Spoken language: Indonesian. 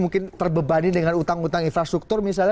mungkin terbebani dengan utang utang infrastruktur misalnya